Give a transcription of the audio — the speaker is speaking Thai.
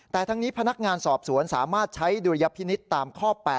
แต่ทั้งนี้พนักงานสอบสวนสามารถใช้ดุลยพินิษฐ์ตามข้อ๘